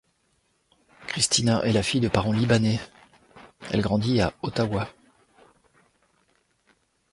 Kristina est la fille de parents libanais, elle grandit à Ottawa.